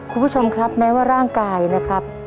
คุณผู้ชมครับแม้ว่าร่างกายนะครับ